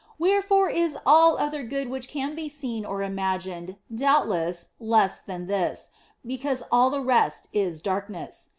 Wherefore is all other good which can be seen or imagined doubtless less than OF FOLIGNO 183 this, because all the rest is darkness.